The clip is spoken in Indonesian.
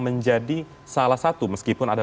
menjadi salah satu meskipun ada